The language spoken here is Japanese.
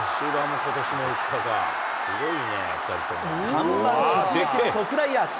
看板直撃の特大アーチ。